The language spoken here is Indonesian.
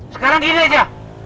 sekarang gini aja